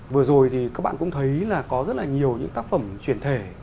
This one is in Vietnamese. vừa rồi thì các bạn cũng thấy là có rất là nhiều những tác phẩm truyền thể